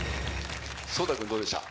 颯太君どうでした？